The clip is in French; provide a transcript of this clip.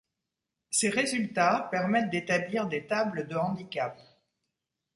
Ces résultats permettent d'établir des tables de handicap.